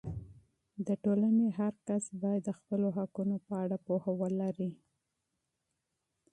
د ټولنې افراد باید د خپلو حقونو په اړه پوهه ولري.